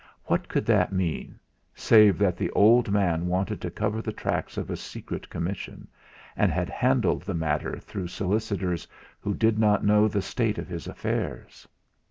What could that mean, save that the old man wanted to cover the tracks of a secret commission, and had handled the matter through solicitors who did not know the state of his affairs!